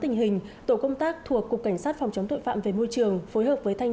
sạc tổ công tác thuộc cục cảnh sát phòng chống tội phạm về môi trường phối hợp với thanh